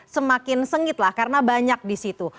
semakin sengit lah karena banyak di situ